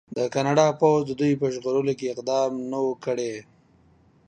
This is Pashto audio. د کاناډا پوځ د دوی په ژغورلو کې اقدام نه و کړی.